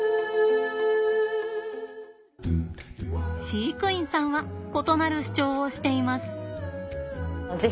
飼育員さんは異なる主張をしています。